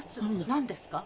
何ですか？